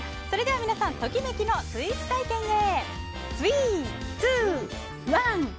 それでは皆さんときめきのスイーツ体験へスイー、ツー、ワン！